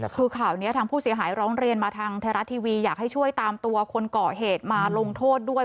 คือข่าวนี้ทางผู้เสียหายร้องเรียนมาทางไทยรัฐทีวีอยากให้ช่วยตามตัวคนก่อเหตุมาลงโทษด้วย